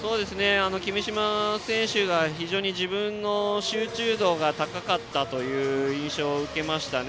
君嶋選手が自分の集中度が高かった印象を受けましたね。